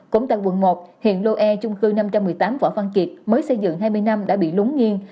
cũng tại quận một hiện lô e chung cư năm trăm một mươi tám võ văn kiệt mới xây dựng hai mươi năm đã bị lúng nghiêng